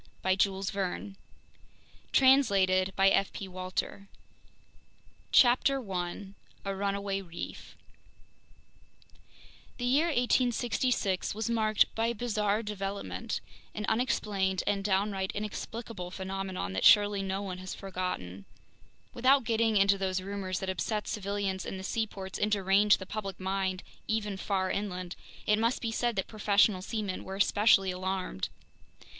2 miles TON, METRIC Roughly 2,200 pounds viii FIRST PART CHAPTER 1 A Runaway Reef THE YEAR 1866 was marked by a bizarre development, an unexplained and downright inexplicable phenomenon that surely no one has forgotten. Without getting into those rumors that upset civilians in the seaports and deranged the public mind even far inland, it must be said that professional seamen were especially alarmed.